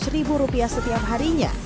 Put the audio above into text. lima ratus ribu rupiah setiap harinya